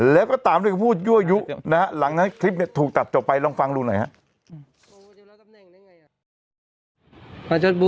แล้วก็ตามด้วยพูดยั่วยุนะฮะหลังจากนั้นคลิปถูกตัดจบไปลองฟังดูหน่อยฮะ